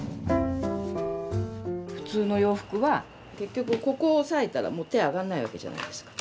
普通の洋服は結局ここを押さえたら手上がんない訳じゃないですか。